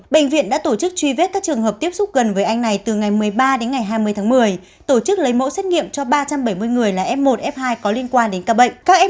bệnh viện đã tổ chức truy vết các trường hợp tiếp xúc gần với anh này từ ngày một mươi ba đến ngày hai mươi tháng một mươi tổ chức lấy mẫu xét nghiệm cho ba trăm bảy mươi người là f một f hai có liên quan đến ca bệnh